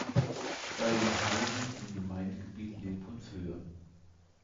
Oerlinghausen im Gemeindegebiet Leopoldshöhe.